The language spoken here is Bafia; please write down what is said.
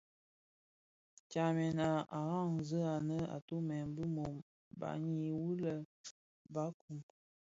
Tsamèn a zaňi anë atumè bi mum baňi wii lè barkun.